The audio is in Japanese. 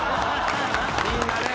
みんなね。